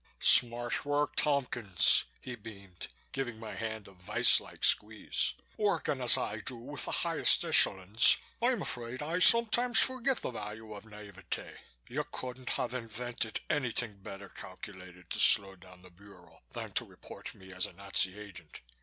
"Smart work, Tompkins!" he beamed, giving my hand a vise like squeeze. "Working as I do with the highest echelons, I'm afraid I sometimes forget the value of naiveté. You couldn't have invented anything better calculated to slow down the Bureau than to report me as a Nazi agent.